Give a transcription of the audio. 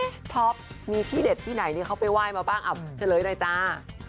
ท็อปมีที่เด็ดที่ไหนเขาไปไหว้มาบ้างเฉลยหน่อยจ้า